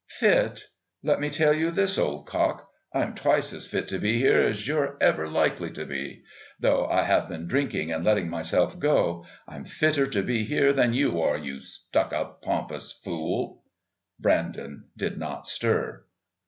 "Fit? Let me tell you this, old cock, I'm twice as fit to be here as you're ever likely to be. Though I have been drinking and letting myself go, I'm fitter to be here than you are, you stuck up, pompous fool." Brandon did not stir.